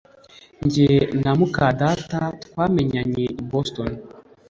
Jye na muka data twamenyanye i Boston